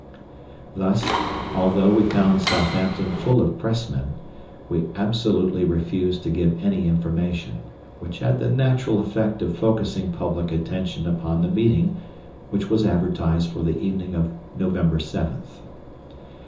Thus, although we found Southampton full of Pressmen, we absolutely refused to give any information, which had the natural effect of focussing public attention upon the meeting which was advertised for the evening of November 7th.